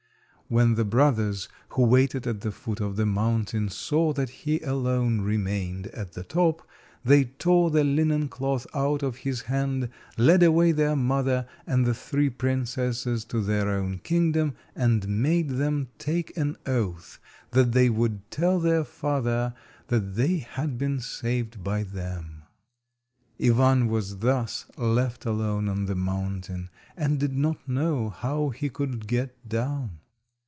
When the brothers, who waited at the foot of the mountain, saw that he alone remained on the top, they tore the linen cloth out of his hand, led away their mother and the three princesses to their own kingdom, and made them take an oath that they would tell their father that they had been saved by them. Ivan was thus left alone on the mountain, and did not know how he could get down.